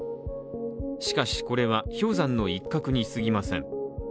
しかし、これは氷山の一角にすぎません。